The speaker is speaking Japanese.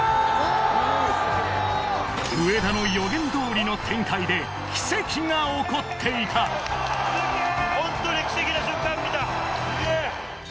上田の予言通りの展開で奇跡が起こっていたすげぇ！